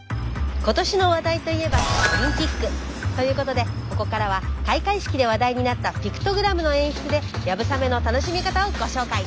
今年の話題といえばオリンピック。ということでここからは開会式で話題になったピクトグラムの演出で流鏑馬の楽しみ方をご紹介！